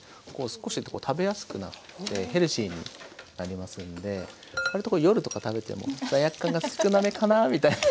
少し食べやすくなってヘルシーになりますんで割と夜とか食べても罪悪感が少なめかなみたいな。